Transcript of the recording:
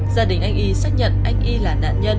gia đình anh y xác nhận anh y là nạn nhân